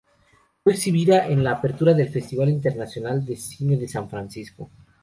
Fue exhibida en la apertura del Festival Internacional de Cine de San Francisco.